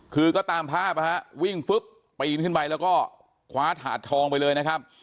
คือก็ตามภาพนะฮะวิ่งฟึ๊บปีนขึ้นไปแล้วก็คว้าถาดทองไปเลยนะครับ